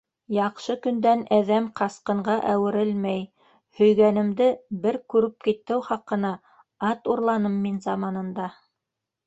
Яҡшы көндән әҙәм ҡасҡынға әүерелмәй, һөйгәнемде бер күреп китеү хаҡына ат урланым мин заманында...